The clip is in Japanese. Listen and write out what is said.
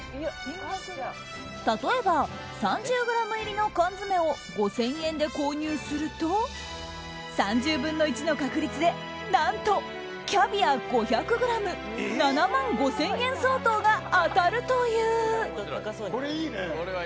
例えば、３０ｇ入りの缶詰を５０００円で購入すると３０分の１の確率で何と、キャビア５００ｇ７万５０００円相当が当たるという。